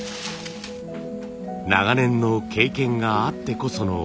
長年の経験があってこその目利きです。